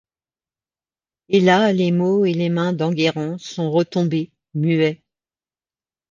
Et là les mots et les mains d’Enguerrand sont retombés, muets.